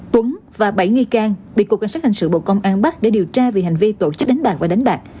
tuấn và bảy nghi can bị cục cảnh sát hành sự bộ công an bắt để điều tra về hành vi tổ chức đánh bạc và đánh bạc